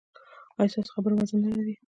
ایا ستاسو خبره وزن نلري؟